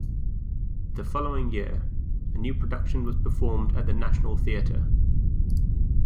The following year, a new production was performed at the National Theatre.